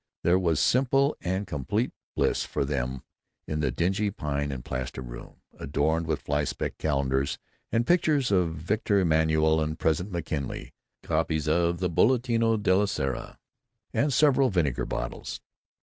There was simple and complete bliss for them in the dingy pine and plaster room, adorned with fly specked calendars and pictures of Victor Emmanuel and President McKinley, copies of the Bolletino Della Sera and large vinegar bottles.